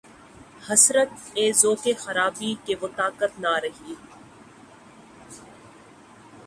حسرت! اے ذوقِ خرابی کہ‘ وہ طاقت نہ رہی